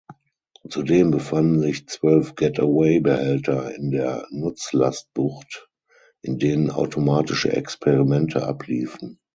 Zudem befanden sich zwölf Get-Away-Behälter in der Nutzlastbucht, in denen automatische Experimente abliefen.